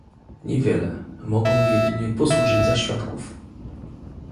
Niewiele - mogą jedynie posłużyć za świadków